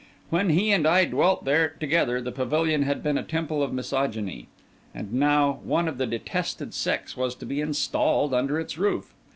When he and I dwelt there together, the pavilion had been a temple of misogyny. And now, one of the detested sex was to be installed under its roof.